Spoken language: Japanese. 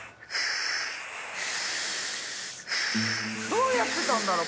どうやってたんだろ？